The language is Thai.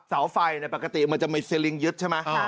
เสาไฟปกติมันจะมีสลิงยึดใช่ไหม